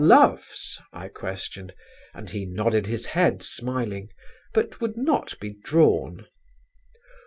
"Loves?" I questioned, and he nodded his head smiling; but would not be drawn.